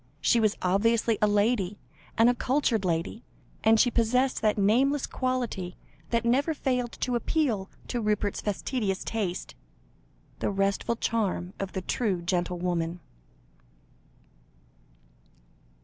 She was obviously a lady, and a cultured lady, and she possessed that nameless quality which never failed to appeal to Rupert's fastidious taste the restful charm of the true gentlewoman.